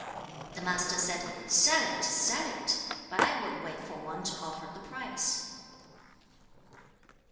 The Master said, 'Sell it! Sell it! But I would wait for one to offer the price.'